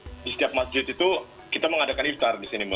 jadi di setiap masjid itu kita mengadakan iftar di sini